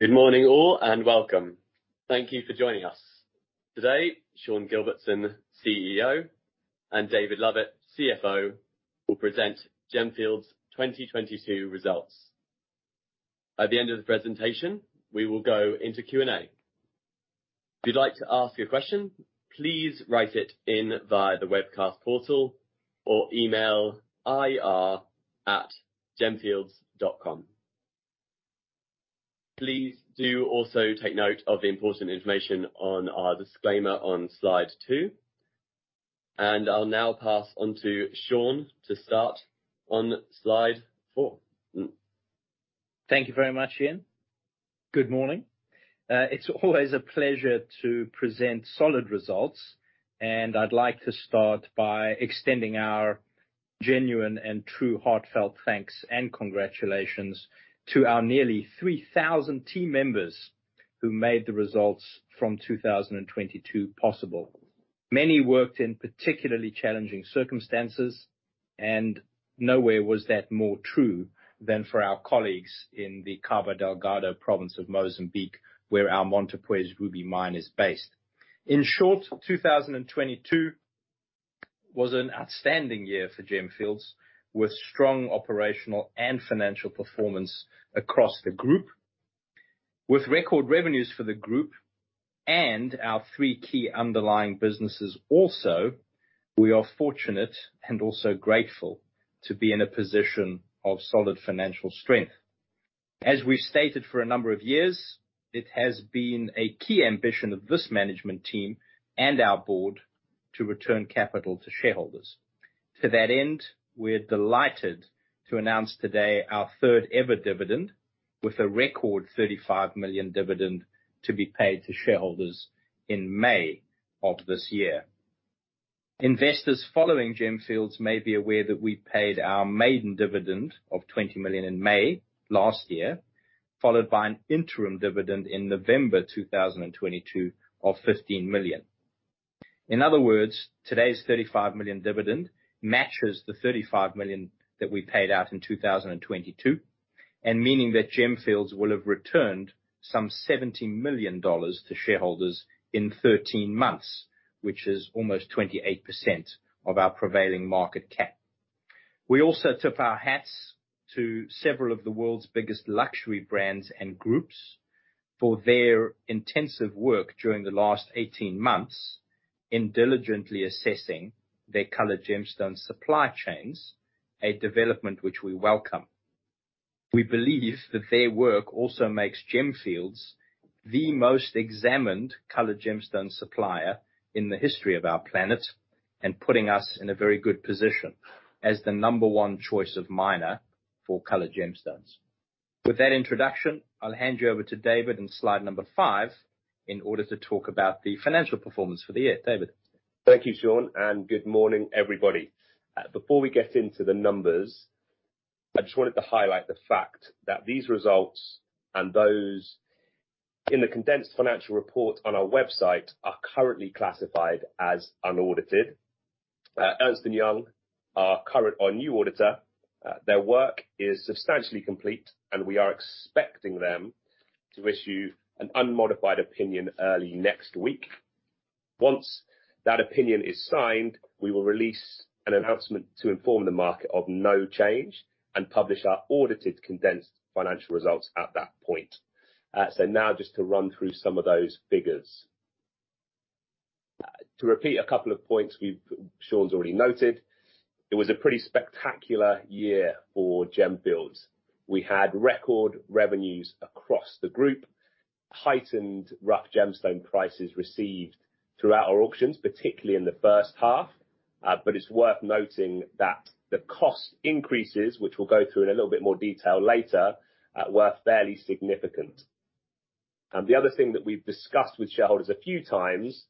Good morning all, and welcome. Thank you for joining us. Today, Sean Gilbertson, CEO, and David Lovett, CFO, will present Gemfields' 2022 results. At the end of the presentation, we will go into Q&A. If you'd like to ask a question, please write it in via the webcast portal or email ir@gemfields.com. Please do also take note of the important information on our disclaimer on slide two. I'll now pass on to Sean to start on slide four. Thank you very much, Ian. Good morning. It's always a pleasure to present solid results. I'd like to start by extending our genuine and true heartfelt thanks and congratulations to our nearly 3,000 team members who made the results from 2022 possible. Many worked in particularly challenging circumstances. Nowhere was that more true than for our colleagues in the Cabo Delgado province of Mozambique, where our Montepuez Ruby Mine is based. In short, 2022 was an outstanding year for Gemfields, with strong operational and financial performance across the group. With record revenues for the group and our three key underlying businesses also, we are fortunate and also grateful to be in a position of solid financial strength. As we've stated for a number of years, it has been a key ambition of this management team and our board to return capital to shareholders. To that end, we're delighted to announce today our third-ever dividend with a record $35 million dividend to be paid to shareholders in May of this year. Investors following Gemfields may be aware that we paid our maiden dividend of $20 million in May last year, followed by an interim dividend in November 2022 of $15 million. In other words, today's $35 million dividend matches the $35 million that we paid out in 2022, Meaning that Gemfields will have returned some $70 million to shareholders in 13 months, which is almost 28% of our prevailing market cap. We also tip our hats to several of the world's biggest luxury brands and groups for their intensive work during the last 18 months in diligently assessing their colored gemstone supply chains, a development which we welcome. We believe that their work also makes Gemfields the most examined colored gemstone supplier in the history of our planet and putting us in a very good position as the number one choice of miner for colored gemstones. With that introduction, I'll hand you over to David on slide number five in order to talk about the financial performance for the year. David. Thank you, Sean. Good morning, everybody. Before we get into the numbers, I just wanted to highlight the fact that these results, and those in the condensed financial report on our website, are currently classified as unaudited. Ernst & Young, our current or new auditor, their work is substantially complete. We are expecting them to issue an unmodified opinion early next week. Once that opinion is signed, we will release an announcement to inform the market of no change and publish our audited condensed financial results at that point. Now just to run through some of those figures. To repeat a couple of points Sean's already noted, it was a pretty spectacular year for Gemfields. We had record revenues across the Gemfields Group, heightened rough gemstone prices received throughout our auctions, particularly in the first half, but it's worth noting that the cost increases, which we'll go through in a little bit more detail later, were fairly significant. The other thing that we've discussed with shareholders a few times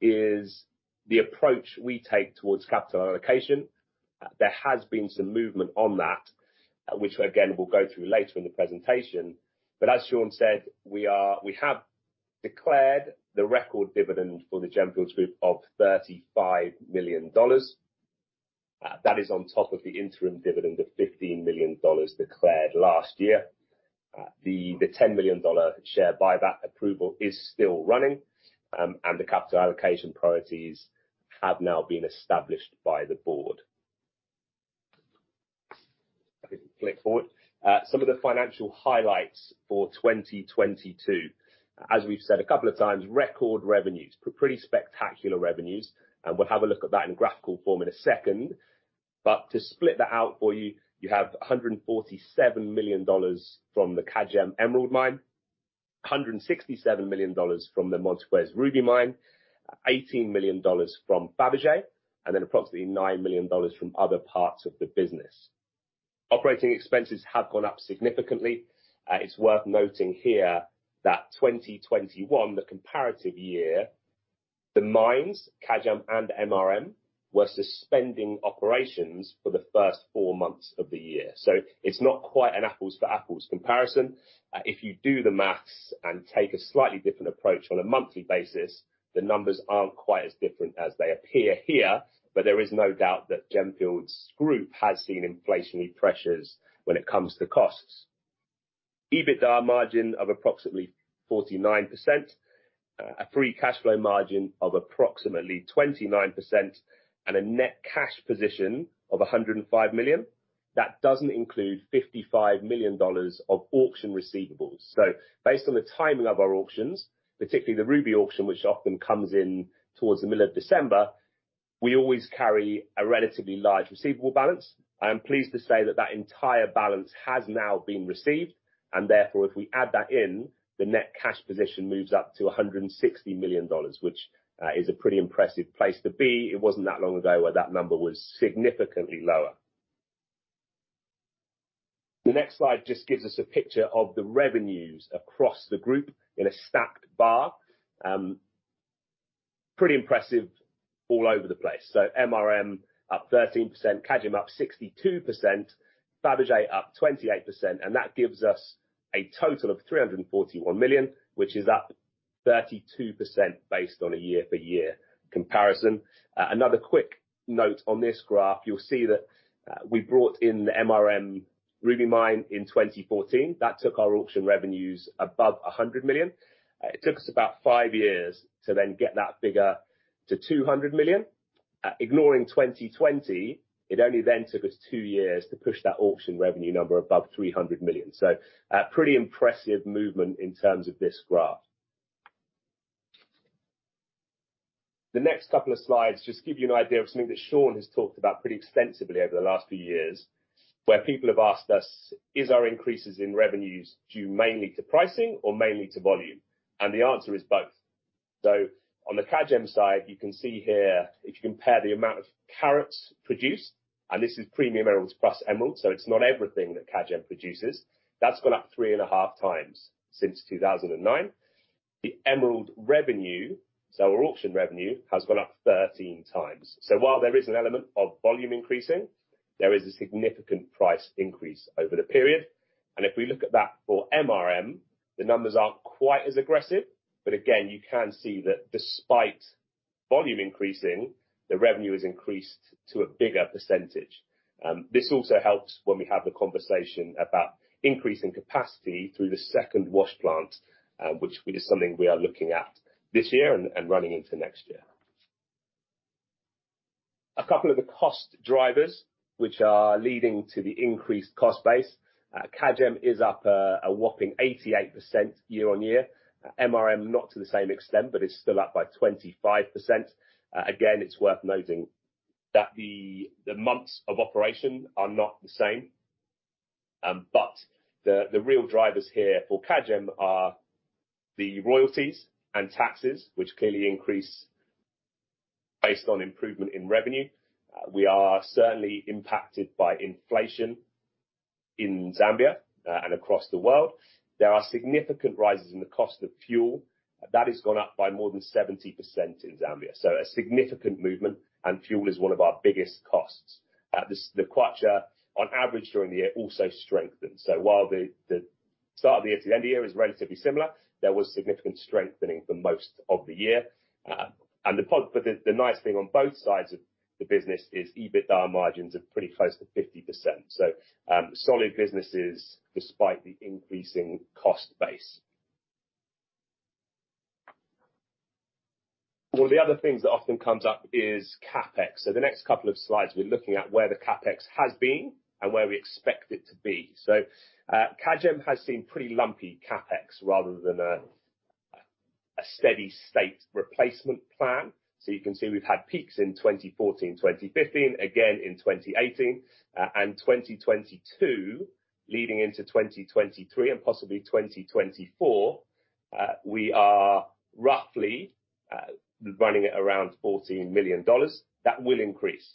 is the approach we take towards capital allocation. There has been some movement on that, which again, we'll go through later in the presentation. As Sean said, we have declared the record dividend for the Gemfields Group of $35 million. That is on top of the interim dividend of $15 million declared last year. The $10 million share buyback approval is still running, and the capital allocation priorities have now been established by the board. If you can click forward. Some of the financial highlights for 2022. As we've said a couple of times, record revenues. Pretty spectacular revenues, and we'll have a look at that in graphical form in a second. To split that out for you have $147 million from the Kagem emerald mine, $167 million from the Montepuez Ruby Mine, $18 million from Fabergé, then approximately $9 million from other parts of the business. Operating expenses have gone up significantly. It's worth noting here that 2021, the comparative year, the mines, Kagem and MRM, were suspending operations for the first four months of the year. It's not quite an apples-to-apples comparison. If you do the math and take a slightly different approach on a monthly basis, the numbers aren't quite as different as they appear here. There is no doubt that Gemfields Group has seen inflationary pressures when it comes to costs. EBITDA margin of approximately 49%, a free cash flow margin of approximately 29%, and a net cash position of $105 million. That doesn't include $55 million of auction receivables. Based on the timing of our auctions, particularly the ruby auction which often comes in towards the middle of December, we always carry a relatively large receivable balance. I am pleased to say that that entire balance has now been received. Therefore, if we add that in, the net cash position moves up to $160 million, which is a pretty impressive place to be. It wasn't that long ago where that number was significantly lower. The next slide just gives us a picture of the revenues across the group in a stacked bar. Pretty impressive all over the place. MRM up 13%, Kagem up 62%, Fabergé up 28%, and that gives us a total of $341 million, which is up 32% based on a year-over-year comparison. Another quick note on this graph, you'll see that we brought in the MRM Ruby Mine in 2014. That took our auction revenues above $100 million. It took us about five years to then get that figure to $200 million. Ignoring 2020, it only then took us two years to push that auction revenue number above $300 million. A pretty impressive movement in terms of this graph. The next couple of slides just give you an idea of something that Sean has talked about pretty extensively over the last few years, where people have asked us, is our increases in revenues due mainly to pricing or mainly to volume? The answer is both. On the Kagem side, you can see here, if you compare the amount of carats produced, and this is premium emeralds plus emeralds, so it's not everything that Kagem produces, that's gone up 3.5x since 2009. The emerald revenue, so our auction revenue, has gone up 13x. While there is an element of volume increasing, there is a significant price increase over the period. If we look at that for MRM, the numbers aren't quite as aggressive. Again, you can see that despite volume increasing, the revenue has increased to a bigger percentage. This also helps when we have the conversation about increasing capacity through the second wash plant, which is something we are looking at this year and running into next year. A couple of the cost drivers which are leading to the increased cost base. Kagem is up a whopping 88% year-on-year. MRM not to the same extent, but is still up by 25%. Again, it's worth noting that the months of operation are not the same. The real drivers here for Kagem are the royalties and taxes, which clearly increase based on improvement in revenue. We are certainly impacted by inflation in Zambia and across the world. There are significant rises in the cost of fuel. That has gone up by more than 70% in Zambia, so a significant movement, and fuel is one of our biggest costs. The kwacha on average during the year also strengthened. While the start of the year to the end of the year is relatively similar, there was significant strengthening for most of the year. The nice thing on both sides of the business is EBITDA margins are pretty close to 50%. Solid businesses despite the increasing cost base. One of the other things that often comes up is CapEx. The next couple of slides, we're looking at where the CapEx has been and where we expect it to be. Kagem has seen pretty lumpy CapEx rather than a steady state replacement plan. You can see we've had peaks in 2014, 2015, again in 2018. 2022 leading into 2023 and possibly 2024, we are roughly running at around $14 million. That will increase.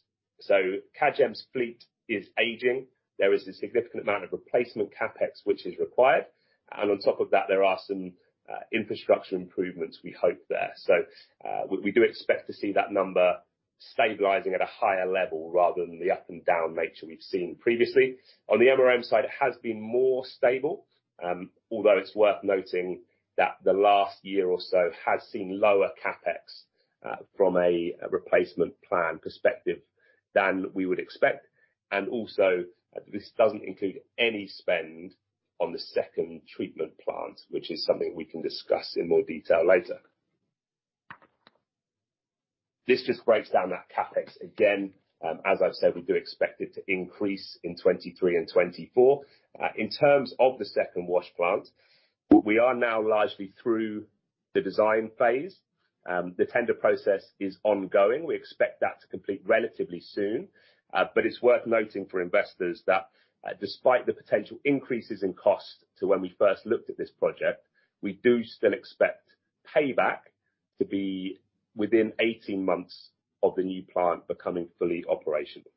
Kagem's fleet is aging. There is a significant amount of replacement CapEx which is required. On top of that, there are some infrastructure improvements we hope there. We do expect to see that number stabilizing at a higher level rather than the up and down nature we've seen previously. On the MRM side, it has been more stable, although it's worth noting that the last year or so has seen lower CapEx from a replacement plan perspective than we would expect. This doesn't include any spend on the second treatment plant, which is something we can discuss in more detail later. This just breaks down that CapEx again. As I've said, we do expect it to increase in 2023 and 2024. In terms of the second wash plant, we are now largely through the design phase. The tender process is ongoing. We expect that to complete relatively soon. But it's worth noting for investors that, despite the potential increases in cost to when we first looked at this project, we do still expect payback to be within 18 months of the new plant becoming fully operational.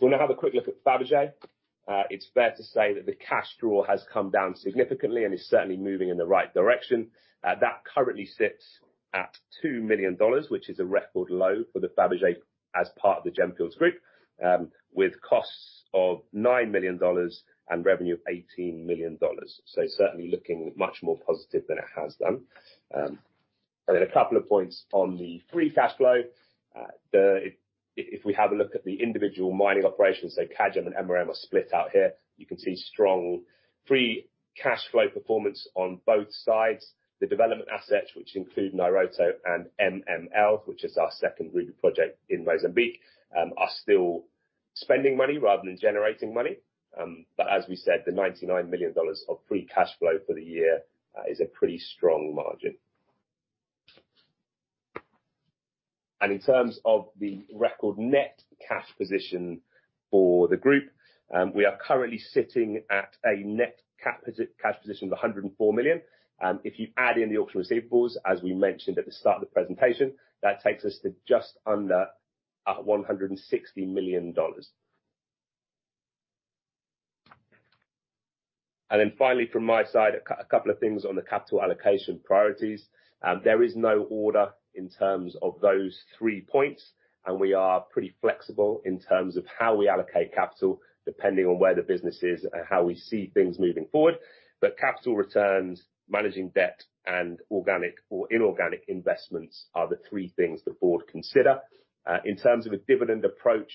We now have a quick look at Fabergé. It's fair to say that the cash draw has come down significantly and is certainly moving in the right direction. That currently sits at $2 million, which is a record low for the Fabergé as part of the Gemfields Group, with costs of $9 million and revenue of $18 million. Certainly looking much more positive than it has done. A couple of points on the free cash flow. If we have a look at the individual mining operations, Kagem and MRM are split out here, you can see strong free cash flow performance on both sides. The development assets which include Nairoto and MML, which is our second Ruby project in Mozambique, are still spending money rather than generating money. As we said, the $99 million of free cash flow for the year is a pretty strong margin. In terms of the record net cash position for the group, we are currently sitting at a net cash position of $104 million. If you add in the auction receivables, as we mentioned at the start of the presentation, that takes us to just under $160 million. Finally from my side, a couple of things on the capital allocation priorities. There is no order in terms of those three points, and we are pretty flexible in terms of how we allocate capital depending on where the business is and how we see things moving forward. Capital returns, managing debt, and organic or inorganic investments are the three things the board consider. In terms of a dividend approach,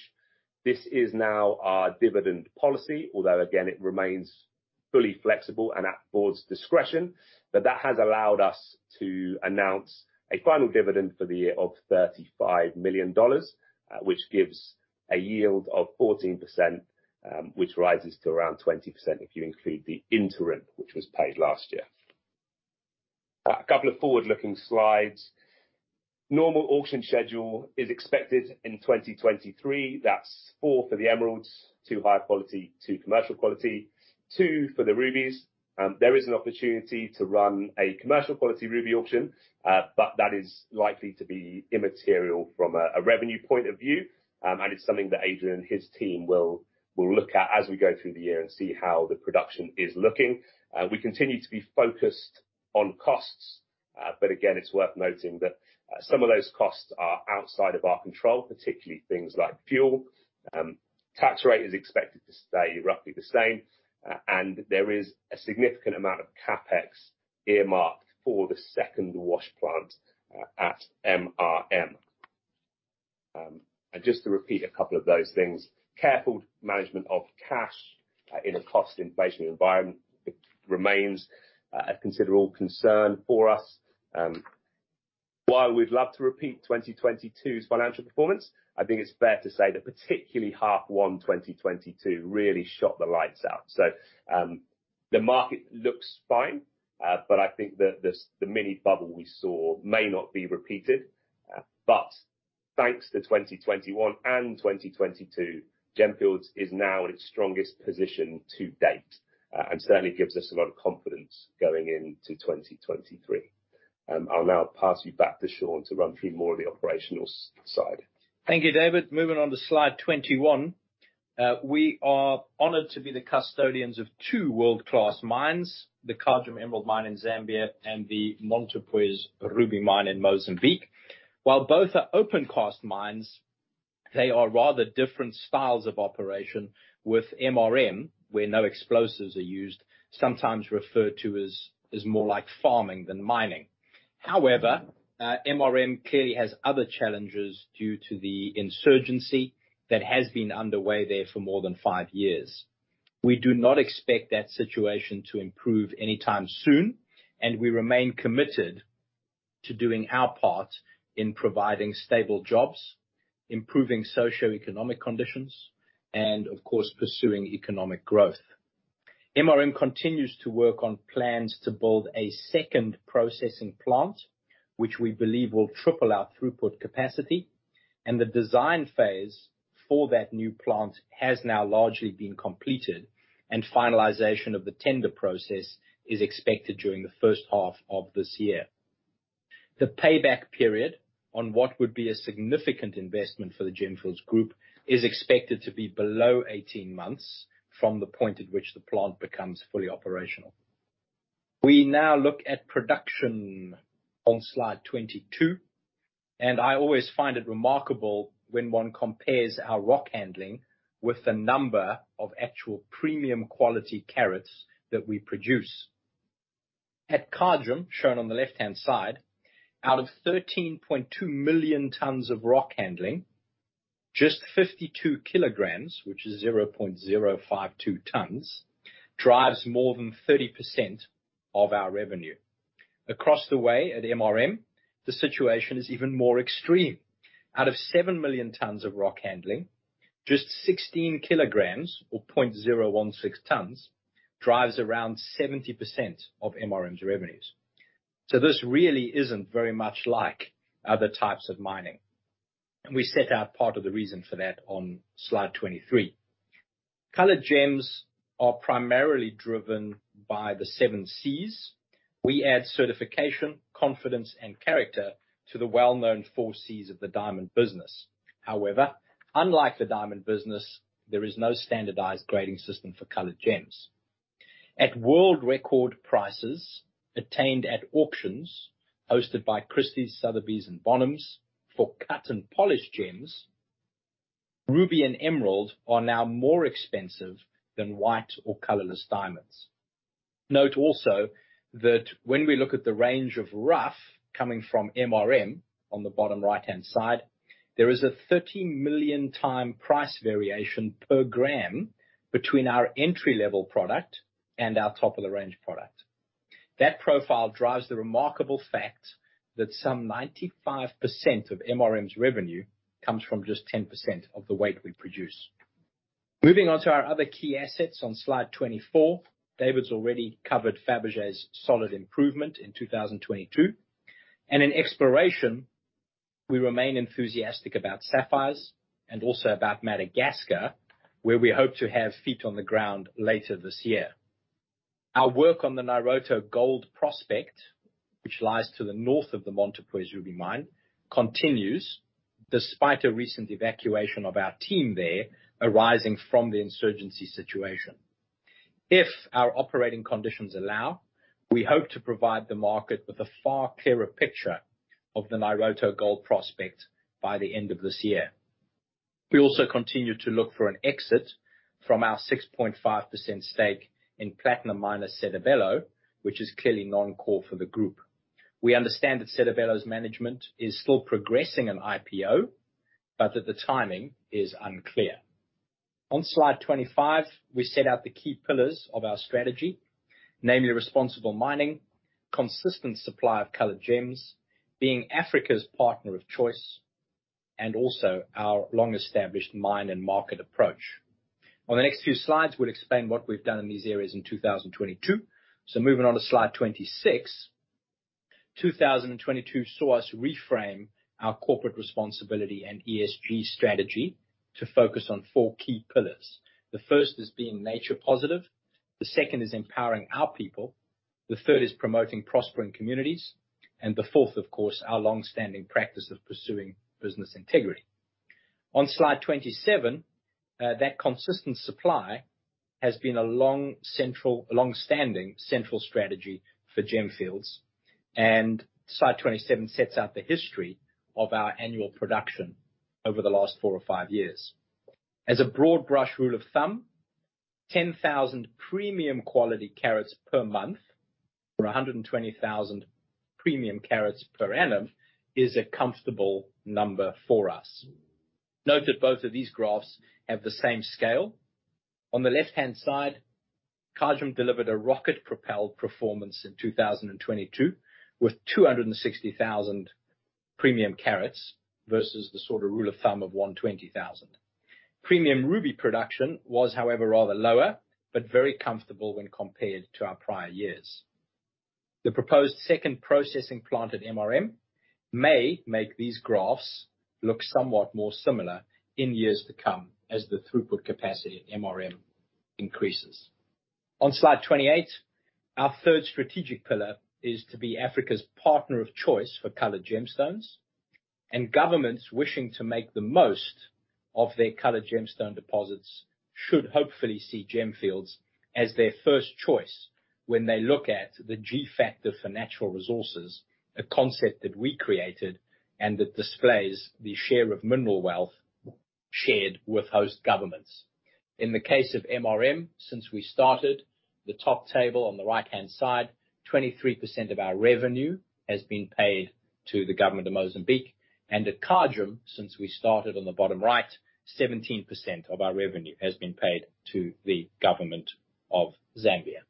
this is now our dividend policy, although again it remains fully flexible and at board's discretion. That has allowed us to announce a final dividend for the year of $35 million, which gives a yield of 14%, which rises to around 20% if you include the interim which was paid last year. A couple of forward-looking slides. Normal auction schedule is expected in 2023. That's four for the emeralds, two high quality, two commercial quality, two for the rubies. There is an opportunity to run a commercial quality ruby auction, but that is likely to be immaterial from a revenue point of view. It's something that Adrian and his team will look at as we go through the year and see how the production is looking. We continue to be focused on costs, again, it's worth noting that some of those costs are outside of our control, particularly things like fuel. Tax rate is expected to stay roughly the same, there is a significant amount of CapEx earmarked for the second wash plant at MRM. Just to repeat a couple of those things, careful management of cash in a cost inflation environment remains a considerable concern for us. While we'd love to repeat 2022's financial performance, I think it's fair to say that particularly half one, 2022 really shot the lights out. The market looks fine, I think the mini bubble we saw may not be repeated. Thanks to 2021 and 2022, Gemfields is now at its strongest position to date, and certainly gives us a lot of confidence going into 2023. I'll now pass you back to Sean to run through more of the operational side. Thank you, David. Moving on to slide 21. We are honored to be the custodians of two world-class mines, the Kagem emerald mine in Zambia, and the Montepuez ruby mine in Mozambique. While both are open cast mines, they are rather different styles of operation with MRM, where no explosives are used, sometimes referred to as more like farming than mining. However, MRM clearly has other challenges due to the insurgency that has been underway there for more than five years. We do not expect that situation to improve anytime soon. We remain committed to doing our part in providing stable jobs, improving socioeconomic conditions, and of course, pursuing economic growth. MRM continues to work on plans to build a second processing plant, which we believe will triple our throughput capacity. The design phase for that new plant has now largely been completed. Finalization of the tender process is expected during the first half of this year. The payback period on what would be a significant investment for the Gemfields Group is expected to be below 18 months from the point at which the plant becomes fully operational. We now look at production on slide 22. I always find it remarkable when one compares our rock handling with the number of actual premium quality carats that we produce. At Kagem, shown on the left-hand side, out of 13.2 million tons of rock handling, just 52 kg, which is 0.052 tons, drives more than 30% of our revenue. Across the way, at MRM, the situation is even more extreme. Out of 7 million tons of rock handling, just 16 kg or 0.016 tons drives around 70% of MRM's revenues. This really isn't very much like other types of mining. We set out part of the reason for that on slide 23. Colored gems are primarily driven by the 7Cs. We add certification, confidence, and character to the well-known 4Cs of the diamond business. However, unlike the diamond business, there is no standardized grading system for colored gems. At world record prices attained at auctions hosted by Christie's, Sotheby's, and Bonhams for cut and polished gems, ruby and emerald are now more expensive than white or colorless diamonds. Note also that when we look at the range of rough coming from MRM, on the bottom right-hand side, there is a 30 million time price variation per gram between our entry-level product and our top-of-the-range product. That profile drives the remarkable fact that some 95% of MRM's revenue comes from just 10% of the weight we produce. Moving on to our other key assets on slide 24, David's already covered Fabergé's solid improvement in 2022. In exploration, we remain enthusiastic about sapphires and also about Madagascar, where we hope to have feet on the ground later this year. Our work on the Nairoto gold prospect, which lies to the north of the Montepuez Ruby Mine, continues despite a recent evacuation of our team there arising from the insurgency situation. If our operating conditions allow, we hope to provide the market with a far clearer picture of the Nairoto gold prospect by the end of this year. We also continue to look for an exit from our 6.5% stake in platinum miner Sedibelo, which is clearly non-core for the group. We understand that Sedibelo's management is still progressing an IPO, but that the timing is unclear. On slide 25, we set out the key pillars of our strategy, namely responsible mining, consistent supply of colored gems, being Africa's partner of choice, and also our long-established mine and market approach. On the next few slides, we'll explain what we've done in these areas in 2022. Moving on to slide 26. 2022 saw us reframe our corporate responsibility and ESG strategy to focus on four key pillars. The first is being nature positive, the second is empowering our people, the third is promoting prospering communities, the fourth, of course, our long-standing practice of pursuing business integrity. On slide 27, that consistent supply has been a long-standing central strategy for Gemfields. Slide 27 sets out the history of our annual production over the last four or five years. As a broad brush rule of thumb, 10,000 premium quality carats per month, or 120,000 premium carats per annum, is a comfortable number for us. Note that both of these graphs have the same scale. On the left-hand side, Kagem delivered a rocket-propelled performance in 2022 with 260,000 premium carats versus the sort of rule of thumb of 120,000. Premium ruby production was, however, rather lower, but very comfortable when compared to our prior years. The proposed second processing plant at MRM may make these graphs look somewhat more similar in years to come as the throughput capacity at MRM increases. On slide 28, our third strategic pillar is to be Africa's partner of choice for colored gemstones. Governments wishing to make the most of their colored gemstone deposits should hopefully see Gemfields as their first choice when they look at the G-Factor for Natural Resources, a concept that we created and that displays the share of mineral wealth shared with host governments. In the case of MRM, since we started, the top table on the right-hand side, 23% of our revenue has been paid to the government of Mozambique. At Kagem, since we started on the bottom right, 17% of our revenue has been paid to the government of Zambia.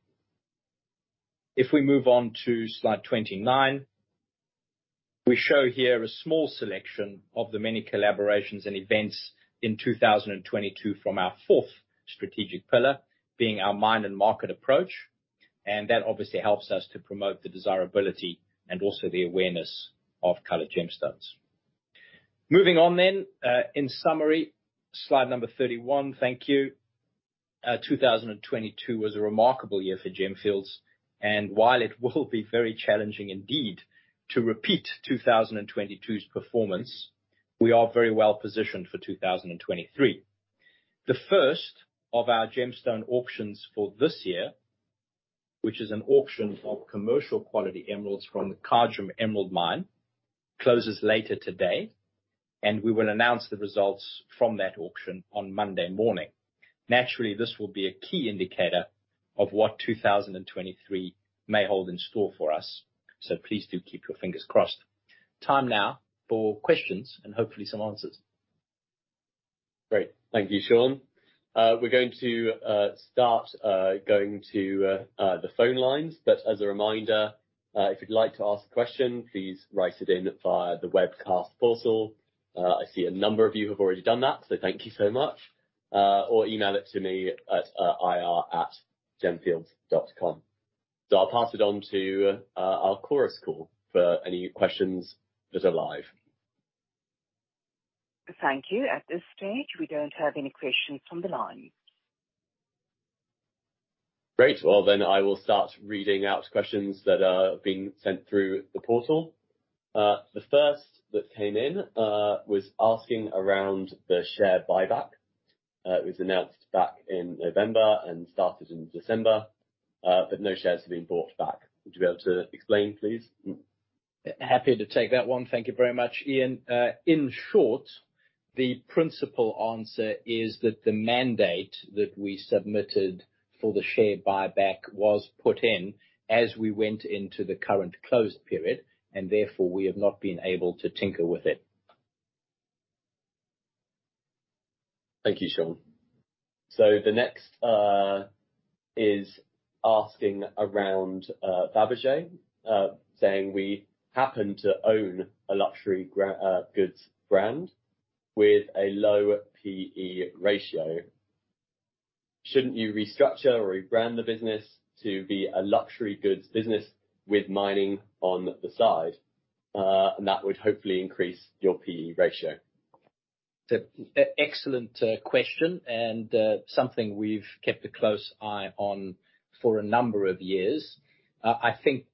If we move on to slide 29, we show here a small selection of the many collaborations and events in 2022 from our fourth strategic pillar, being our mine and market approach. That obviously helps us to promote the desirability and also the awareness of colored gemstones. Moving on, in summary, slide number 31. Thank you. 2022 was a remarkable year for Gemfields, and while it will be very challenging indeed to repeat 2022's performance, we are very well-positioned for 2023. The first of our gemstone auctions for this year, which is an auction of commercial quality emeralds from the Kagem Emerald Mine, closes later today. We will announce the results from that auction on Monday morning. Naturally, this will be a key indicator of what 2023 may hold in store for us. Please do keep your fingers crossed. Time now for questions. Hopefully some answers. Great. Thank you, Sean. We're going to start going to the phone lines. As a reminder, if you'd like to ask a question, please write it in via the webcast portal. I see a number of you have already done that, so thank you so much. Or email it to me at ir@gemfields.com. I'll pass it on to our Chorus Call for any questions that are live. Thank you. At this stage, we don't have any questions from the line. Great. I will start reading out questions that are being sent through the portal. The first that came in was asking around the share buyback. It was announced back in November and started in December. No shares have been bought back. Would you be able to explain, please? Happy to take that one. Thank you very much, Ian. In short, the principal answer is that the mandate that we submitted for the share buyback was put in as we went into the current closed period, therefore we have not been able to tinker with it. Thank you, Sean. The next is asking around Fabergé, saying, "We happen to own a luxury goods brand with a low P/E ratio. Shouldn't you restructure or rebrand the business to be a luxury goods business with mining on the side, and that would hopefully increase your P/E ratio? Excellent question and something we've kept a close eye on for a number of years. I think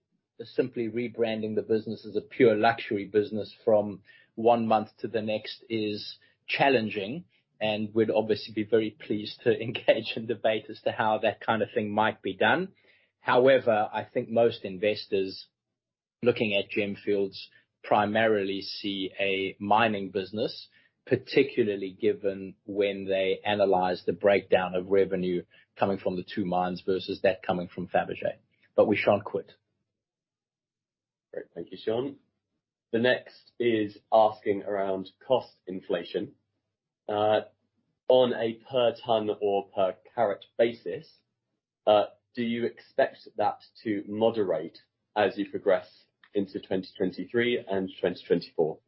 simply rebranding the business as a pure luxury business from one month to the next is challenging, and we'd obviously be very pleased to engage in debate as to how that kind of thing might be done. I think most investors looking at Gemfields primarily see a mining business, particularly given when they analyze the breakdown of revenue coming from the two mines versus that coming from Fabergé. We shan't quit. Great. Thank you, Sean. The next is asking around cost inflation. On a per ton or per carat basis, do you expect that to moderate as you progress into 2023 and 2024?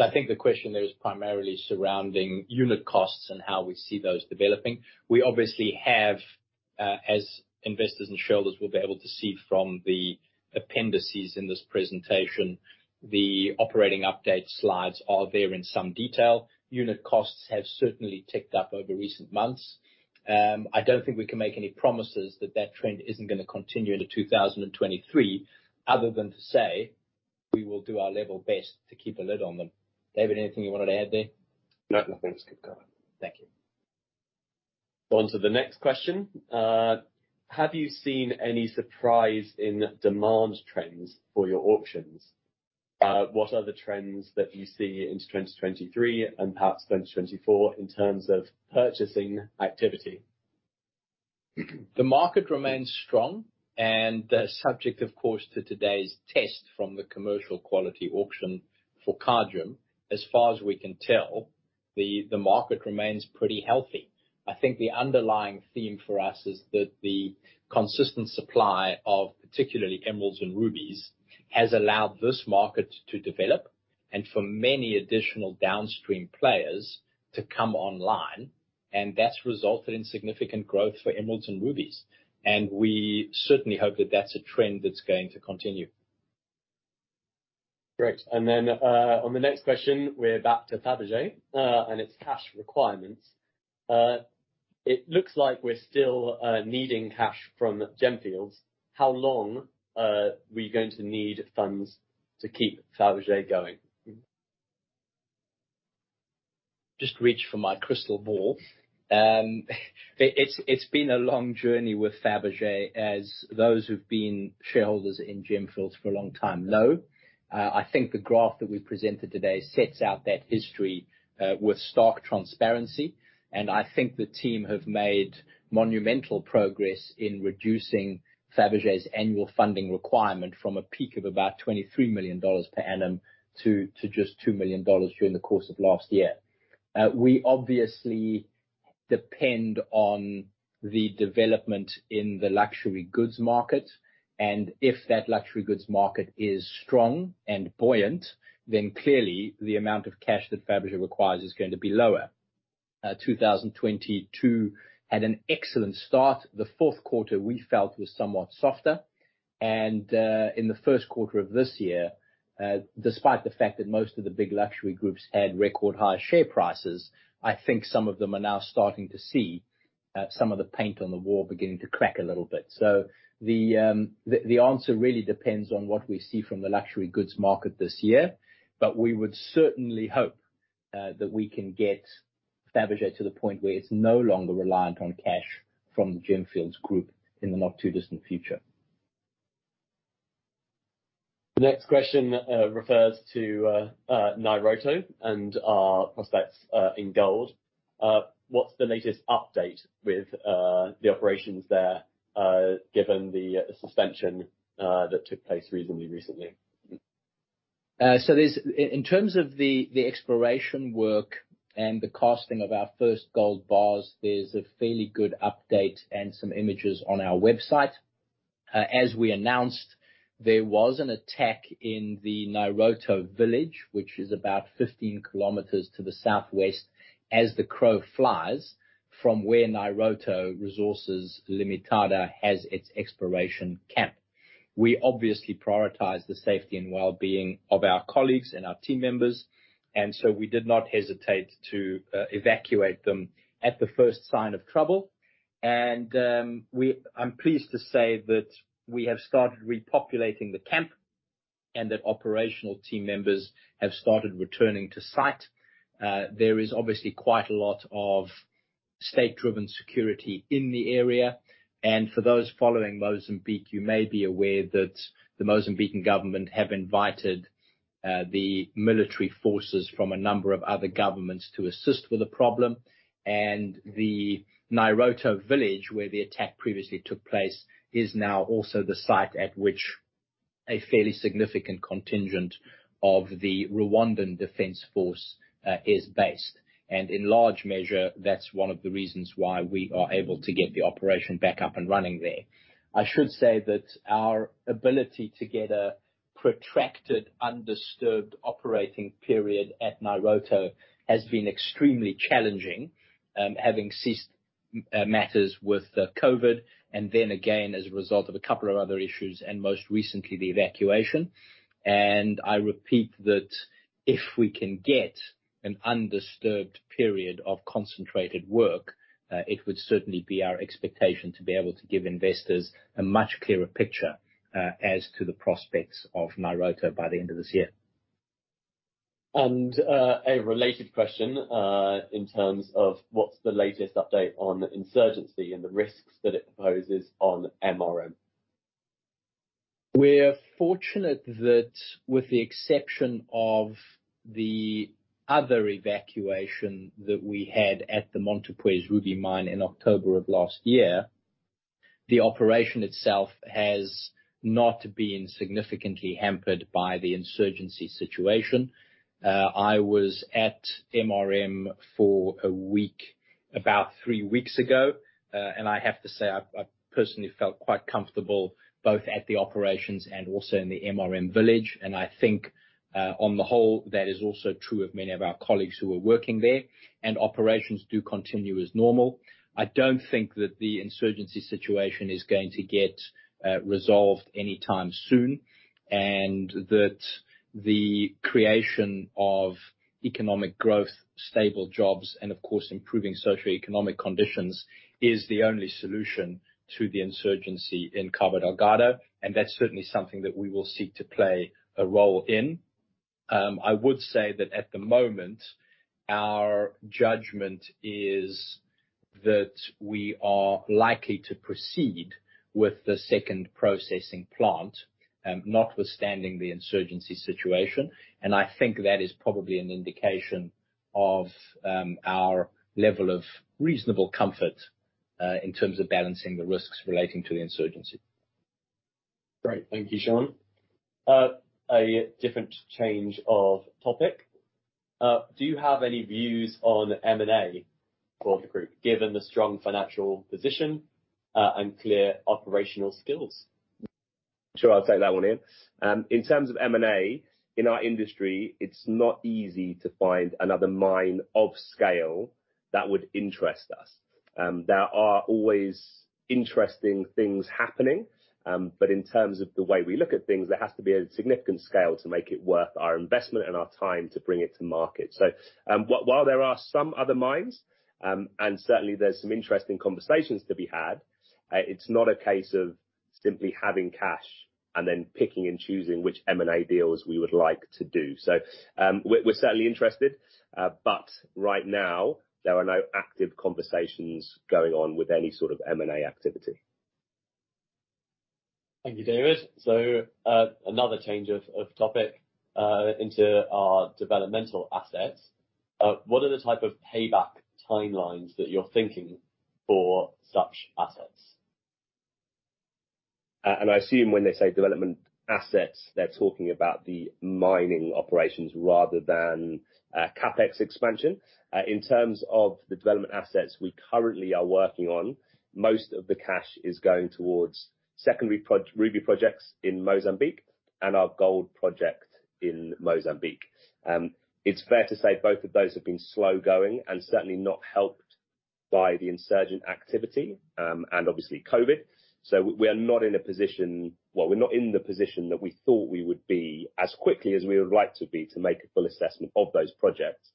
I think the question there is primarily surrounding unit costs and how we see those developing. We obviously have, as investors and shareholders will be able to see from the appendices in this presentation, the operating update slides are there in some detail. Unit costs have certainly ticked up over recent months. I don't think we can make any promises that that trend isn't gonna continue into 2023, other than to say, we will do our level best to keep a lid on them. David, anything you wanted to add there? No, no. Thanks. Keep going. Thank you. On to the next question. Have you seen any surprise in demand trends for your auctions? What are the trends that you see into 2023 and perhaps 2024 in terms of purchasing activity? The market remains strong and subject, of course, to today's test from the commercial quality auction for Kagem. As far as we can tell, the market remains pretty healthy. I think the underlying theme for us is that the consistent supply of particularly emeralds and rubies has allowed this market to develop, and for many additional downstream players to come online, and that's resulted in significant growth for emeralds and rubies. We certainly hope that that's a trend that's going to continue. Great. On the next question, we're back to Fabergé and its cash requirements. It looks like we're still needing cash from Gemfields. How long are we going to need funds to keep Fabergé going? Just reach for my crystal ball. It's been a long journey with Fabergé as those who've been shareholders in Gemfields for a long time know. I think the graph that we presented today sets out that history with stark transparency. I think the team have made monumental progress in reducing Fabergé's annual funding requirement from a peak of about $23 million per annum to just $2 million during the course of last year. We obviously depend on the development in the luxury goods market, and if that luxury goods market is strong and buoyant, clearly the amount of cash that Fabergé requires is going to be lower. 2022 had an excellent start. The fourth quarter we felt was somewhat softer. In the first quarter of this year, despite the fact that most of the big luxury groups had record high share prices, I think some of them are now starting to see some of the paint on the wall beginning to crack a little bit. The answer really depends on what we see from the luxury goods market this year. We would certainly hope that we can get Fabergé to the point where it's no longer reliant on cash from Gemfields Group in the not too distant future. The next question refers to Nairoto and our prospects in gold. What's the latest update with the operations there, given the suspension that took place reasonably recently? In terms of the exploration work and the costing of our first gold bars, there's a fairly good update and some images on our website. As we announced, there was an attack in the Nairoto village, which is about 15 km to the southwest as the crow flies from where Nairoto Resources Limitada has its exploration camp. We obviously prioritize the safety and well-being of our colleagues and our team members. We did not hesitate to evacuate them at the first sign of trouble. I'm pleased to say that we have started repopulating the camp and that operational team members have started returning to site. There is obviously quite a lot of state-driven security in the area. For those following Mozambique, you may be aware that the Mozambican government have invited, the military forces from a number of other governments to assist with the problem. The Nairoto village where the attack previously took place is now also the site at which a fairly significant contingent of the Rwanda Defence Force is based. In large measure, that's one of the reasons why we are able to get the operation back up and running there. I should say that our ability to get a protracted, undisturbed operating period at Nairoto has been extremely challenging, having ceased matters with COVID and then again as a result of a couple of other issues, and most recently, the evacuation. I repeat that if we can get an undisturbed period of concentrated work, it would certainly be our expectation to be able to give investors a much clearer picture, as to the prospects of Nairoto by the end of this year. A related question in terms of what's the latest update on insurgency and the risks that it poses on MRM? We're fortunate that with the exception of the other evacuation that we had at the Montepuez Ruby Mine in October of last year, the operation itself has not been significantly hampered by the insurgency situation. I was at MRM for a week, about three weeks ago, and I have to say, I personally felt quite comfortable both at the operations and also in the MRM village. I think, on the whole, that is also true of many of our colleagues who are working there. Operations do continue as normal. I don't think that the insurgency situation is going to get resolved anytime soon, and that the creation of economic growth, stable jobs, and of course, improving socioeconomic conditions is the only solution to the insurgency in Cabo Delgado, and that's certainly something that we will seek to play a role in. I would say that at the moment, our judgment is that we are likely to proceed with the second processing plant, notwithstanding the insurgency situation, and I think that is probably an indication of our level of reasonable comfort in terms of balancing the risks relating to the insurgency. Great. Thank you, Sean. a different change of topic. Do you have any views on M&A for the group, given the strong financial position, and clear operational skills? Sure, I'll take that one in. In terms of M&A in our industry, it's not easy to find another mine of scale that would interest us. There are always interesting things happening, but in terms of the way we look at things, there has to be a significant scale to make it worth our investment and our time to bring it to market. While there are some other mines, and certainly there's some interesting conversations to be had, it's not a case of simply having cash and then picking and choosing which M&A deals we would like to do. We're certainly interested, but right now, there are no active conversations going on with any sort of M&A activity. Thank you, David. Another change of topic into our developmental assets. What are the type of payback timelines that you're thinking for such assets? I assume when they say development assets, they're talking about the mining operations rather than CapEx expansion. In terms of the development assets we currently are working on, most of the cash is going towards secondary ruby projects in Mozambique and our gold project in Mozambique. It's fair to say both of those have been slow-going and certainly not helped by the insurgent activity and obviously COVID. We're not in the position that we thought we would be as quickly as we would like to be to make a full assessment of those projects.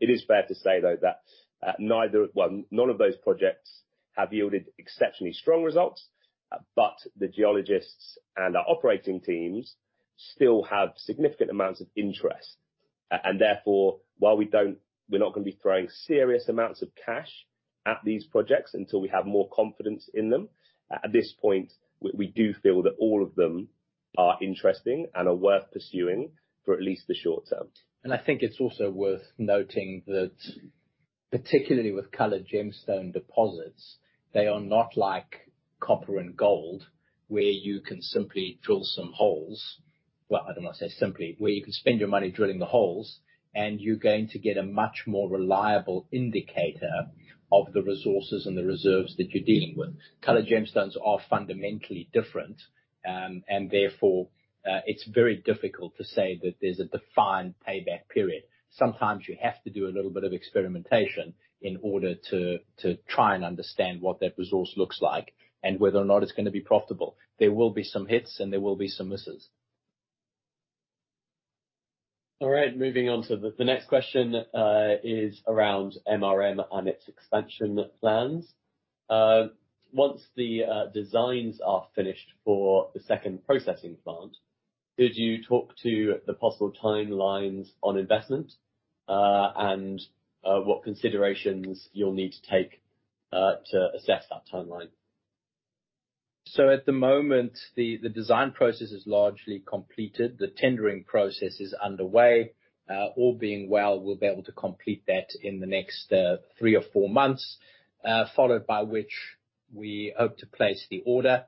It is fair to say, though, that none of those projects have yielded exceptionally strong results, but the geologists and our operating teams still have significant amounts of interest. Therefore, while we're not gonna be throwing serious amounts of cash at these projects until we have more confidence in them, at this point, we do feel that all of them are interesting and are worth pursuing for at least the short term. I think it's also worth noting that particularly with colored gemstone deposits, they are not like copper and gold, where you can simply drill some holes. I don't wanna say simply, where you can spend your money drilling the holes, and you're going to get a much more reliable indicator of the resources and the reserves that you're dealing with. Colored gemstones are fundamentally different, and therefore, it's very difficult to say that there's a defined payback period. Sometimes you have to do a little bit of experimentation in order to try and understand what that resource looks like and whether or not it's gonna be profitable. There will be some hits, and there will be some misses. All right, moving on to the next question, is around MRM and its expansion plans. Once the designs are finished for the second processing plant, could you talk to the possible timelines on investment, and what considerations you'll need to take, to assess that timeline? At the moment, the design process is largely completed. The tendering process is underway. All being well, we'll be able to complete that in the next three or four months, followed by which we hope to place the order.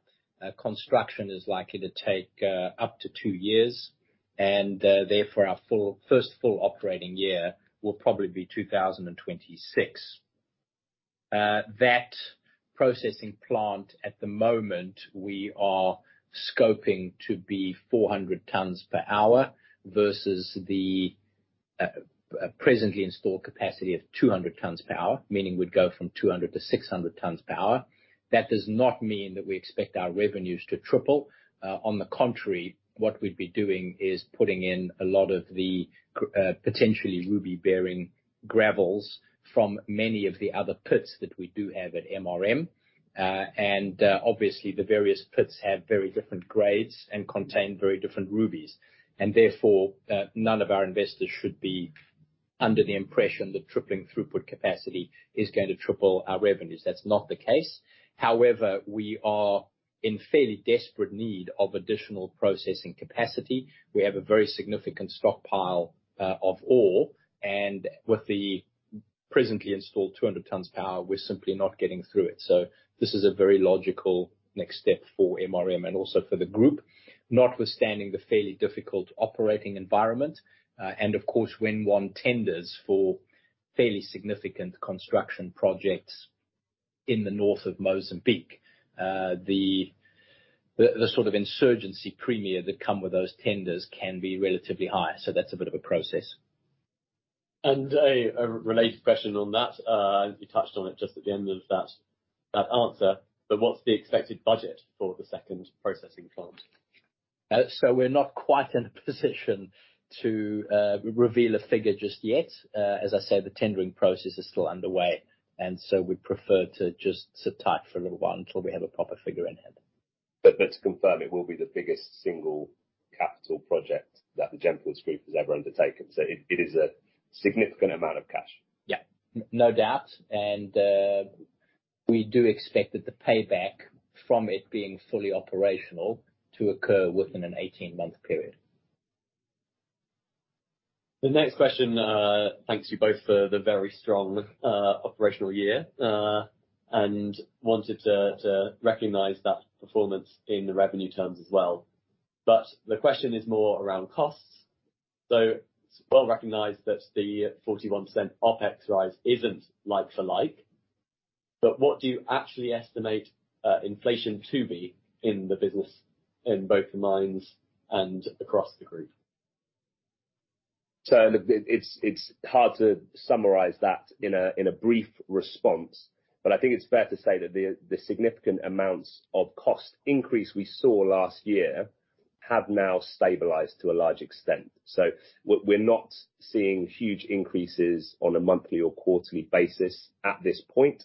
Construction is likely to take up to two years, and therefore, our first full operating year will probably be 2026. That processing plant at the moment, we are scoping to be 400 tons per hour versus the presently installed capacity of 200 tons per hour, meaning we'd go from 200-600 tons per hour. That does not mean that we expect our revenues to triple. On the contrary, what we'd be doing is putting in a lot of the potentially ruby-bearing gravels from many of the other pits that we do have at MRM. Obviously, the various pits have very different grades and contain very different rubies, and therefore, none of our investors should be under the impression that tripling throughput capacity is gonna triple our revenues. That's not the case. However, we are in fairly desperate need of additional processing capacity. We have a very significant stockpile of ore, and with the presently installed 200 tons per hour, we're simply not getting through it. This is a very logical next step for MRM and also for the Group, notwithstanding the fairly difficult operating environment. Of course, when one tenders for fairly significant construction projects in the north of Mozambique, the sort of insurgency premier that come with those tenders can be relatively high. That's a bit of a process. A related question on that, you touched on it just at the end of that answer, but what's the expected budget for the second processing plant? We're not quite in a position to reveal a figure just yet. As I said, the tendering process is still underway. We prefer to just sit tight for a little while until we have a proper figure in hand. To confirm, it will be the biggest single capital project that the Gemfields Group has ever undertaken, so it is a significant amount of cash. Yeah. No doubt. We do expect that the payback from it being fully operational to occur within an 18-month period. The next question, thanks you both for the very strong operational year, and wanted to recognize that performance in the revenue terms as well. The question is more around costs. It's well-recognized that the 41% OpEx rise isn't like for like, but what do you actually estimate inflation to be in the business in both the mines and across the group? It's hard to summarize that in a brief response, but I think it's fair to say that the significant amounts of cost increase we saw last year have now stabilized to a large extent. We're not seeing huge increases on a monthly or quarterly basis at this point.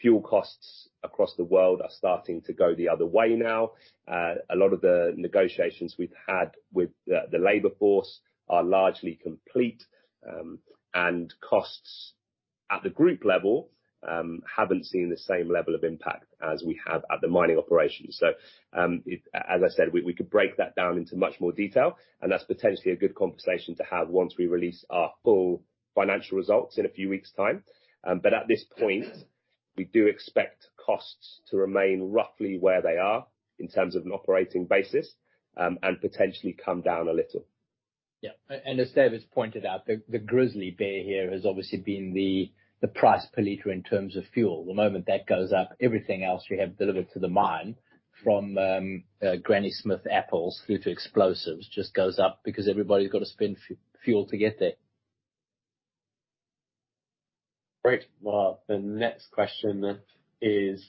Fuel costs across the world are starting to go the other way now. A lot of the negotiations we've had with the labor force are largely complete, and costs at the group level haven't seen the same level of impact as we have at the mining operations. As I said, we could break that down into much more detail and that's potentially a good conversation to have once we release our full financial results in a few weeks' time. At this point, we do expect costs to remain roughly where they are in terms of an operating basis, and potentially come down a little. Yeah. And as David's pointed out, the grizzly bear here has obviously been the price per liter in terms of fuel. The moment that goes up, everything else we have delivered to the mine from Granny Smith apples through to explosives just goes up because everybody's gotta spend fuel to get there. Great. The next question is,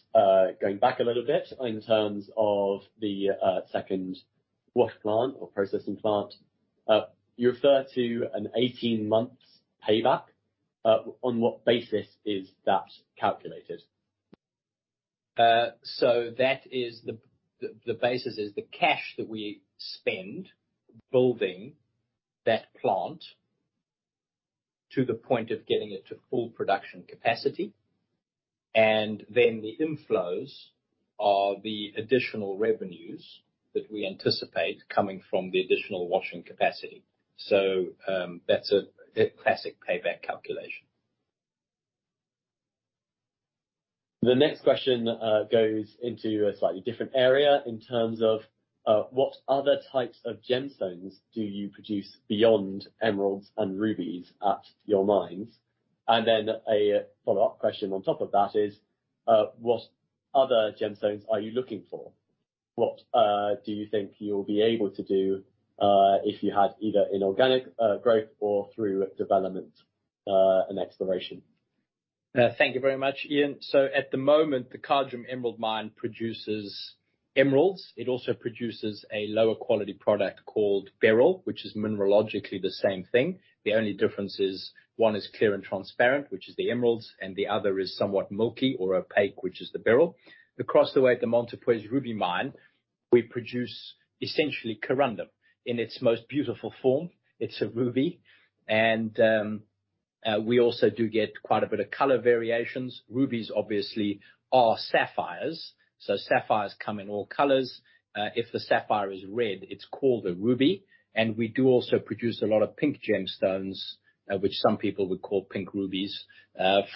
going back a little bit in terms of the second wash plant or processing plant. You refer to an 18 months payback. On what basis is that calculated? That is the basis is the cash that we spend building that plant to the point of getting it to full production capacity, and then the inflows are the additional revenues that we anticipate coming from the additional washing capacity. That's a classic payback calculation. The next question, goes into a slightly different area in terms of, what other types of gemstones do you produce beyond emeralds and rubies at your mines? A follow-up question on top of that is, what other gemstones are you looking for? What, do you think you'll be able to do, if you had either inorganic, growth or through development, and exploration? Thank you very much, Ian. At the moment, the Kagem Emerald mine produces emeralds. It also produces a lower quality product called beryl, which is mineralogically the same thing. The only difference is one is clear and transparent, which is the emeralds, and the other is somewhat milky or opaque, which is the beryl. Across the way, at the Montepuez Ruby Mine, we produce essentially corundum in its most beautiful form. It's a ruby, we also do get quite a bit of color variations. Rubies obviously are sapphires, so sapphires come in all colors. If the sapphire is red, it's called a ruby. We do also produce a lot of pink gemstones, which some people would call pink rubies,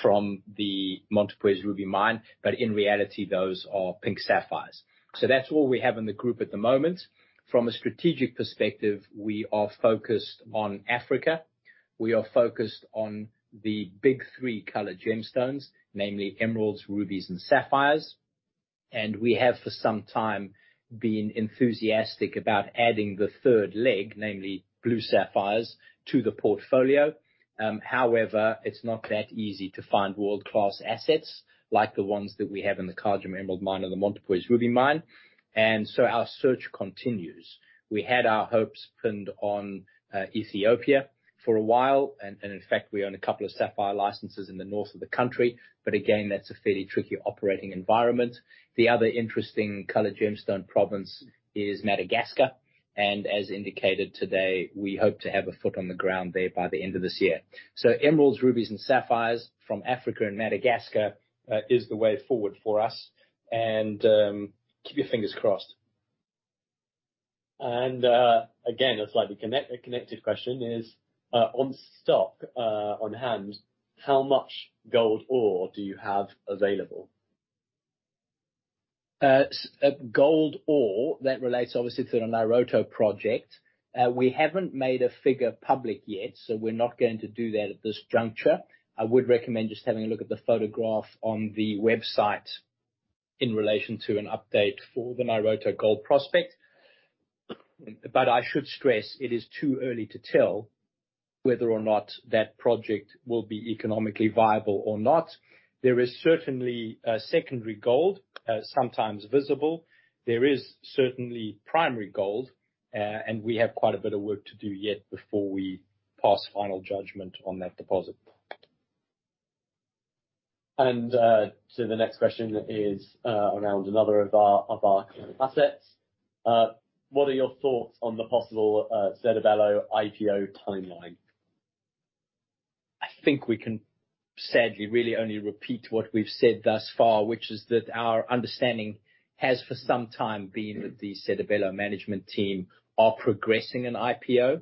from the Montepuez Ruby Mine. In reality, those are pink sapphires. That's all we have in the group at the moment. From a strategic perspective, we are focused on Africa. We are focused on the big three color gemstones, namely emeralds, rubies and sapphires. We have for some time been enthusiastic about adding the third leg, namely blue sapphires, to the portfolio. However, it's not that easy to find world-class assets like the ones that we have in the Kagem Emerald mine and the Montepuez Ruby mine, our search continues. We had our hopes pinned on Ethiopia for a while, and in fact, we own a couple of sapphire licenses in the north of the country, again, that's a fairly tricky operating environment. The other interesting color gemstone province is Madagascar, as indicated today, we hope to have a foot on the ground there by the end of this year. Emeralds, rubies and sapphires from Africa and Madagascar is the way forward for us. Keep your fingers crossed. Again, a slightly connected question is on stock on hand, how much gold ore do you have available? Gold ore, that relates obviously to our Nairoto project. We haven't made a figure public yet, so we're not going to do that at this juncture. I would recommend just having a look at the photograph on the website in relation to an update for the Nairoto gold prospect. I should stress it is too early to tell whether or not that project will be economically viable or not. There is certainly secondary gold, sometimes visible. There is certainly primary gold, and we have quite a bit of work to do yet before we pass final judgment on that deposit. The next question is around another of our current assets. What are your thoughts on the possible Sedibelo IPO timeline? I think we can sadly really only repeat what we've said thus far, which is that our understanding has for some time been that the Sedibelo management team are progressing an IPO,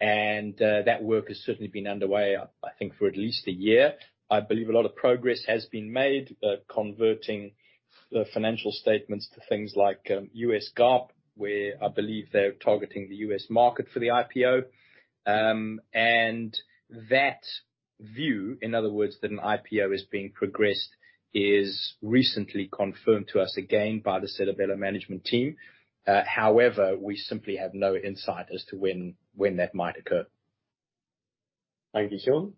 that work has certainly been underway I think for at least a year. I believe a lot of progress has been made, converting the financial statements to things like U.S. GAAP, where I believe they're targeting the U.S. market for the IPO. That view, in other words, that an IPO is being progressed, is recently confirmed to us again by the Sedibelo management team. We simply have no insight as to when that might occur. Thank you, Sean.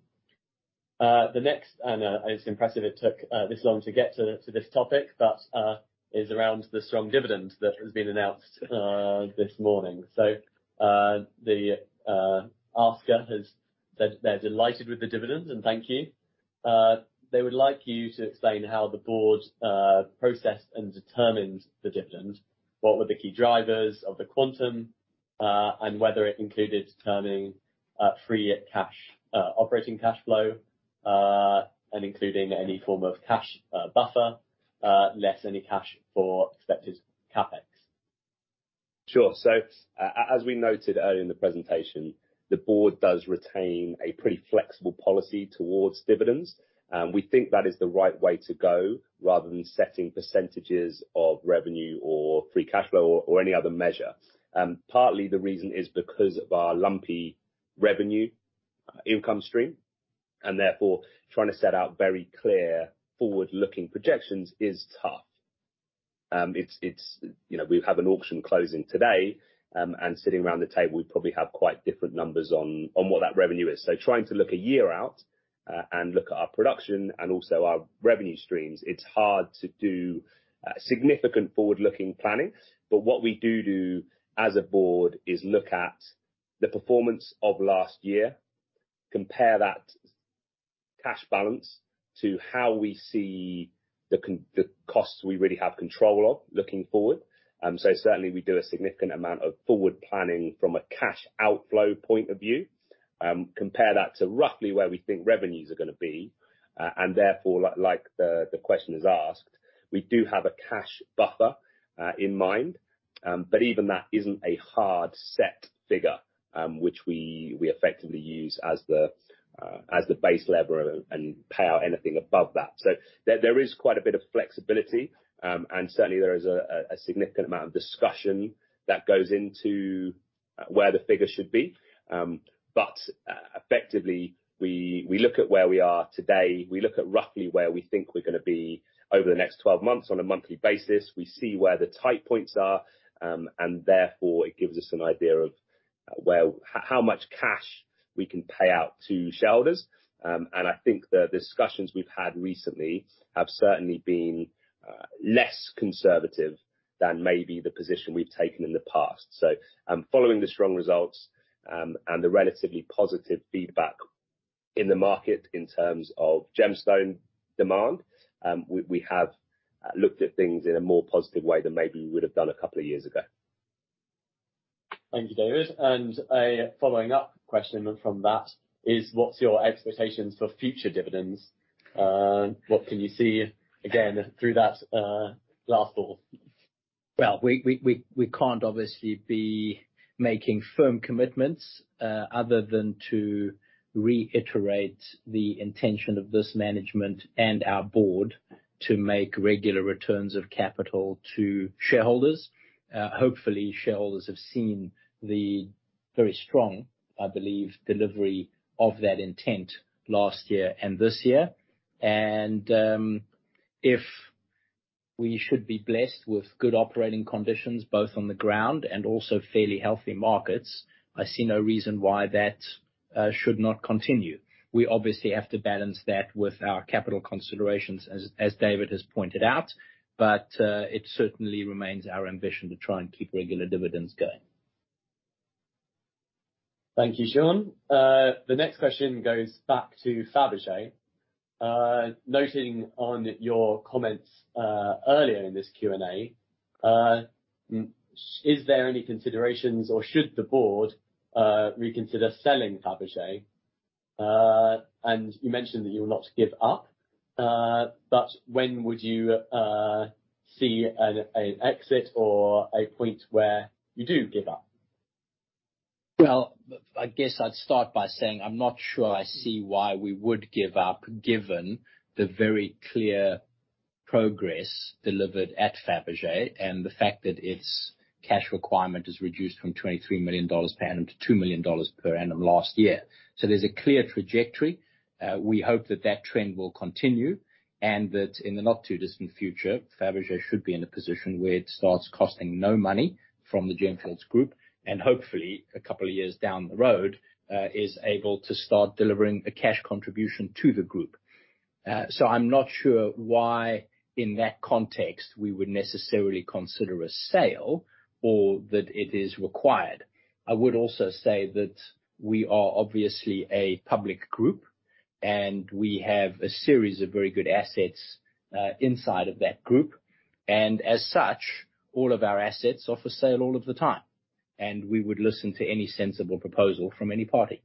The next, and, it's impressive it took this long to get to this topic, but is around the strong dividend that has been announced this morning. The asker has said they're delighted with the dividend, and thank you. They would like you to explain how the board processed and determined the dividend, what were the key drivers of the quantum, and whether it included turning operating cash flow, and including any form of cash buffer, less any cash for expected CapEx. Sure. As we noted earlier in the presentation, the board does retain a pretty flexible policy towards dividends. We think that is the right way to go, rather than setting percentages of revenue or free cash flow or any other measure. Partly the reason is because of our lumpy revenue income stream, and therefore, trying to set out very clear forward-looking projections is tough. It's, you know, we have an auction closing today, and sitting around the table, we probably have quite different numbers on what that revenue is. Trying to look one year out, and look at our production and also our revenue streams, it's hard to do significant forward-looking planning. What we do as a board is look at the performance of last year, compare that cash balance to how we see the costs we really have control of looking forward. Certainly we do a significant amount of forward planning from a cash outflow point of view. Compare that to roughly where we think revenues are gonna be. Therefore, like the question is asked, we do have a cash buffer in mind. Even that isn't a hard set figure, which we effectively use as the base level and pay out anything above that. There is quite a bit of flexibility, and certainly there is a significant amount of discussion that goes into where the figure should be. Effectively, we look at where we are today, we look at roughly where we think we're gonna be over the next 12 months on a monthly basis. We see where the tight points are. Therefore, it gives us an idea. Well, how much cash we can pay out to shareholders. I think the discussions we've had recently have certainly been less conservative than maybe the position we've taken in the past. Following the strong results, and the relatively positive feedback in the market in terms of gemstone demand, we have looked at things in a more positive way than maybe we would have done a couple of years ago. Thank you, David. A follow-up question from that is, what's your expectations for future dividends? What can you see, again, through that, glass door? Well, we can't obviously be making firm commitments other than to reiterate the intention of this management and our board to make regular returns of capital to shareholders. Hopefully, shareholders have seen the very strong, I believe, delivery of that intent last year and this year. If we should be blessed with good operating conditions, both on the ground and also fairly healthy markets, I see no reason why that should not continue. We obviously have to balance that with our capital considerations, as David has pointed out, but it certainly remains our ambition to try and keep regular dividends going. Thank you, Sean. The next question goes back to Fabergé. Noting on your comments, earlier in this Q&A, is there any considerations, or should the board reconsider selling Fabergé? You mentioned that you will not give up, but when would you see an exit or a point where you do give up? Well, I guess I'd start by saying I'm not sure I see why we would give up, given the very clear progress delivered at Fabergé, and the fact that its cash requirement is reduced from $23 million per annum to $2 million per annum last year. There's a clear trajectory. We hope that that trend will continue, and that in the not-too-distant future, Fabergé should be in a position where it starts costing no money from the Gemfields Group, and hopefully, a couple of years down the road, is able to start delivering a cash contribution to the group. I'm not sure why, in that context, we would necessarily consider a sale or that it is required. I would also say that we are obviously a public Group. We have a series of very good assets, inside of that Group. As such, all of our assets are for sale all of the time. We would listen to any sensible proposal from any party.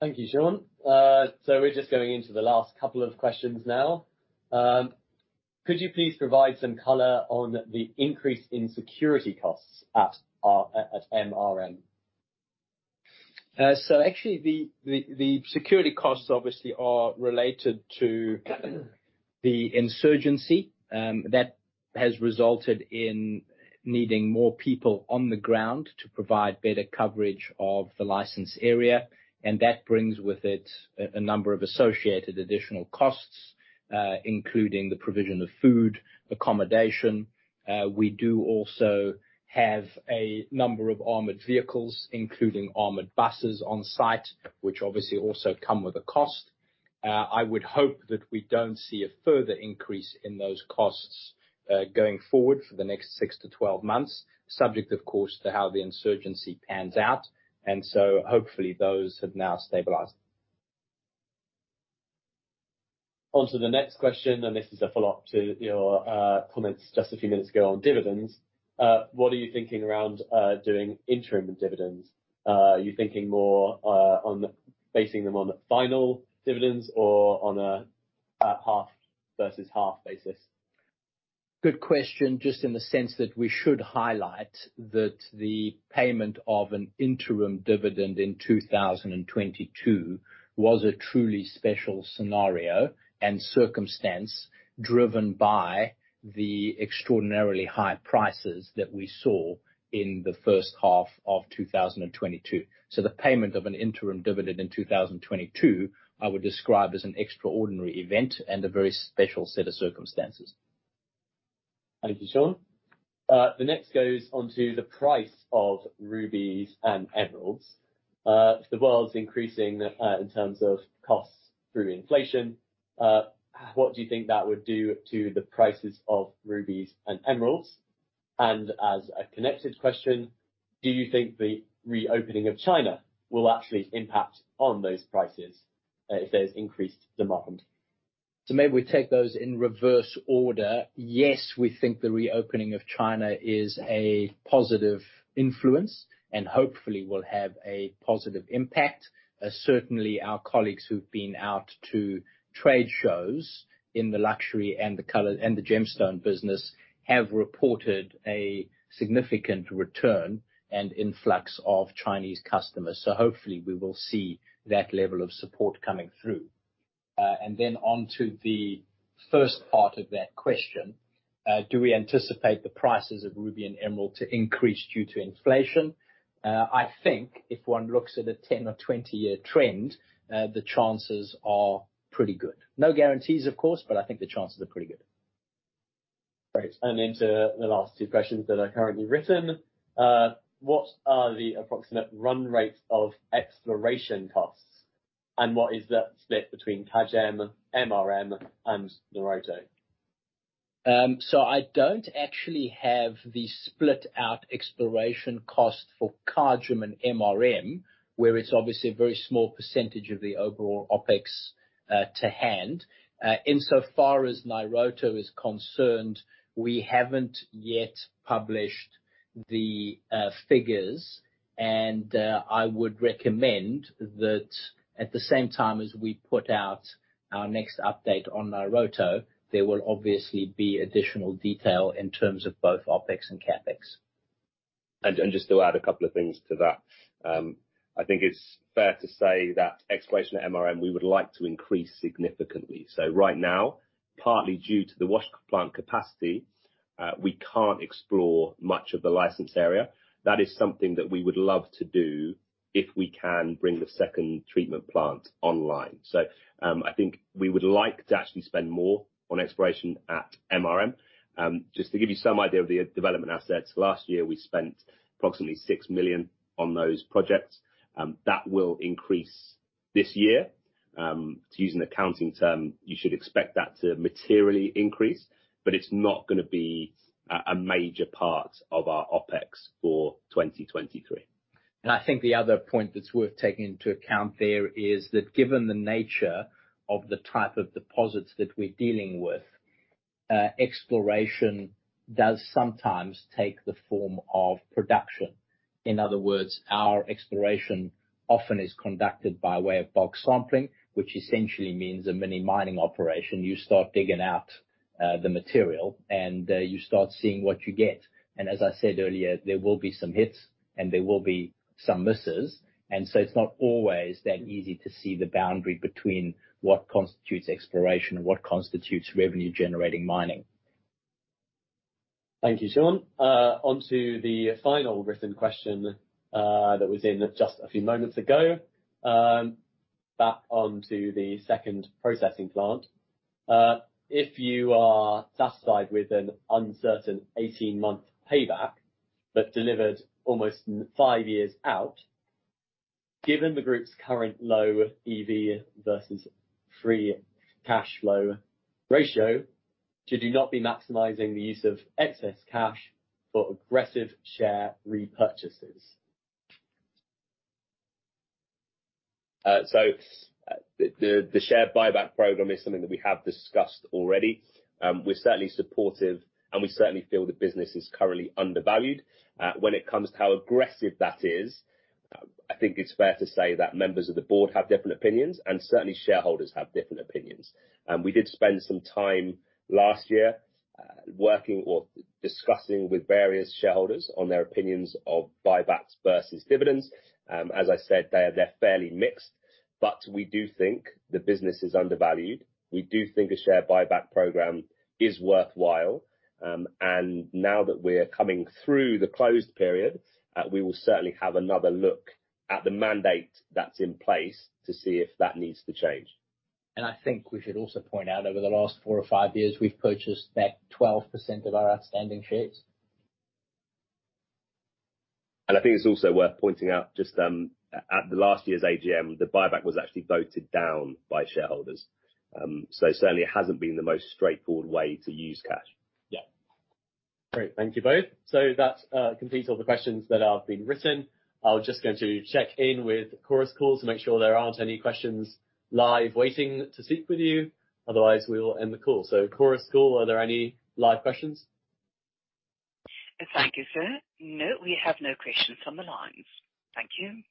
Thank you, Sean. We're just going into the last couple of questions now. Could you please provide some color on the increase in security costs at MRM? Actually, the security costs obviously are related to the insurgency, that has resulted in needing more people on the ground to provide better coverage of the licensed area, and that brings with it a number of associated additional costs, including the provision of food, accommodation. We do also have a number of armored vehicles, including armored buses on site, which obviously also come with a cost. I would hope that we don't see a further increase in those costs going forward for the next six to 12 months, subject, of course, to how the insurgency pans out. Hopefully, those have now stabilized. On to the next question. This is a follow-up to your comments just a few minutes ago on dividends. What are you thinking around doing interim dividends? Are you thinking more on basing them on the final dividends or on a half versus half basis? Good question. Just in the sense that we should highlight that the payment of an interim dividend in 2022 was a truly special scenario and circumstance driven by the extraordinarily high prices that we saw in the first half of 2022. The payment of an interim dividend in 2022, I would describe as an extraordinary event and a very special set of circumstances. Thank you, Sean. The next goes on to the price of rubies and emeralds. If the world's increasing, in terms of costs through inflation, what do you think that would do to the prices of rubies and emeralds? As a connected question, do you think the reopening of China will actually impact on those prices, if there's increased demand? Maybe we take those in reverse order. Yes, we think the reopening of China is a positive influence and hopefully will have a positive impact. Certainly, our colleagues who've been out to trade shows in the luxury and the color and the gemstone business have reported a significant return and influx of Chinese customers. Hopefully we will see that level of support coming through. And then on to the first part of that question, do we anticipate the prices of ruby and emerald to increase due to inflation? I think if one looks at a 10 or 20-year trend, the chances are pretty good. No guarantees, of course, but I think the chances are pretty good. Great. To the last two questions that are currently written. What are the approximate run rates of exploration costs, and what is that split between Kagem, MRM, and Nairoto? I don't actually have the split out exploration cost for Kagem and MRM, where it's obviously a very small percentage of the overall OpEx to hand. Insofar as Nairoto is concerned, we haven't yet published the figures. I would recommend that at the same time as we put out our next update on Nairoto, there will obviously be additional detail in terms of both OpEx and CapEx. Just to add a couple of things to that. I think it's fair to say that exploration at MRM, we would like to increase significantly. Right now, partly due to the wash plant capacity, we can't explore much of the license area. That is something that we would love to do if we can bring the second treatment plant online. I think we would like to actually spend more on exploration at MRM. Just to give you some idea of the development assets, last year we spent approximately $6 million on those projects, that will increase this year. To use an accounting term, you should expect that to materially increase, but it's not gonna be a major part of our OpEx for 2023. I think the other point that's worth taking into account there is that given the nature of the type of deposits that we're dealing with, exploration does sometimes take the form of production. In other words, our exploration often is conducted by way of bulk sampling, which essentially means a mini mining operation. You start digging out, the material and, you start seeing what you get. As I said earlier, there will be some hits and there will be some misses. It's not always that easy to see the boundary between what constitutes exploration and what constitutes revenue generating mining. Thank you, Sean. Onto the final written question, that was in just a few moments ago. Back onto the second processing plant. If you are satisfied with an uncertain 18-month payback, delivered almost 5 years out. Given the group's current low EV versus free cash flow ratio, should you not be maximizing the use of excess cash for aggressive share repurchases? The share buyback program is something that we have discussed already. We're certainly supportive, and we certainly feel the business is currently undervalued. When it comes to how aggressive that is, I think it's fair to say that members of the board have different opinions, and certainly shareholders have different opinions. We did spend some time last year, working or discussing with various shareholders on their opinions of buybacks versus dividends. As I said, they're fairly mixed, but we do think the business is undervalued. We do think a share buyback program is worthwhile. Now that we're coming through the closed period, we will certainly have another look at the mandate that's in place to see if that needs to change. I think we should also point out, over the last four or five years, we've purchased back 12% of our outstanding shares. I think it's also worth pointing out just, at the last year's AGM, the buyback was actually voted down by shareholders. Certainly it hasn't been the most straightforward way to use cash. Yeah. Great. Thank you both. That completes all the questions that have been written. I'm just going to check in with Chorus Call to make sure there aren't any questions live waiting to speak with you. Otherwise, we will end the call. Chorus Call, are there any live questions? Thank you, sir. No, we have no questions on the line. Thank you.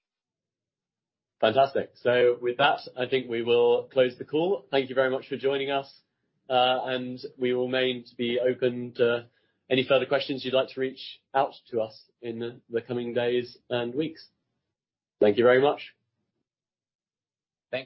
Fantastic. With that, I think we will close the call. Thank you very much for joining us, and we will remain to be open to any further questions you'd like to reach out to us in the coming days and weeks. Thank you very much.